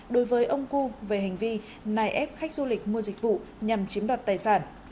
đối với ông cu về hành vi nài ép khách du lịch mua dịch vụ nhằm chiếm đoạt tài sản